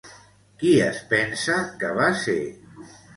Qui es pensa que va ser?